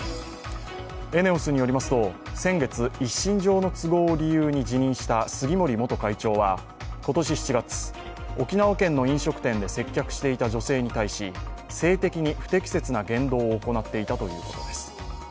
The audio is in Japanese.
ＥＮＥＯＳによりますと、先月、一身上の都合で辞任した杉森元会長は今年７月、沖縄県の飲食店で接客していた女性に対し性的に不適切な言動を行っていたということです。